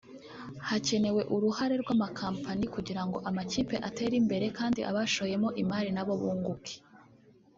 Hakenewe uruhare rw’amakampani kugira ngo amakipe atere imbere kandi abashoyemo imari na bo bunguke